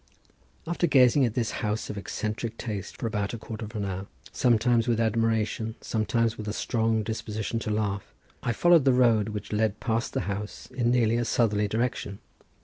After gazing at this house of eccentric taste for about a quarter of an hour, sometimes with admiration, sometimes with a strong disposition to laugh, I followed the road, which led past the house in nearly a southerly direction.